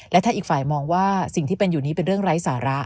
และถ้าอีกฝ่ายมองว่าสิ่งที่เป็นอยู่นี้เป็นเรื่องไร้สาระ